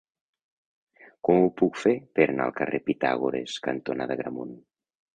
Com ho puc fer per anar al carrer Pitàgores cantonada Agramunt?